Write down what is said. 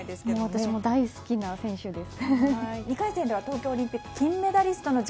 私も大好きな選手です。